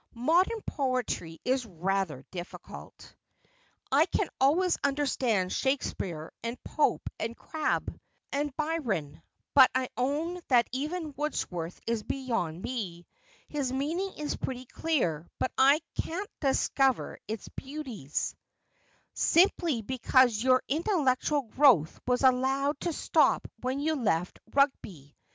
' Modern poetry is rather difficult. I can always understand Shakespeare, and Pope, and Crabbe, and Byron, but I own that even Wordsworth is beyond me. His meaning is pretty clear, but I can't cliacover his beauties.' ' Simply because your intellectual growth was allowed to stop when you left Eug'oy.